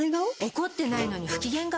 怒ってないのに不機嫌顔？